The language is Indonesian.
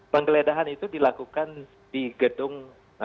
penggeledahan itu dilakukan di gedung